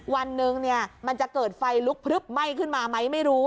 วันหนึ่งมันจะเกิดไฟลุกพลึบไหม้ขึ้นมาไหมไม่รู้